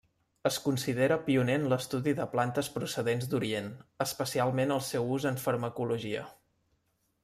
Es considera pioner en l'estudi de plantes procedents d'Orient, especialment el seu ús en farmacologia.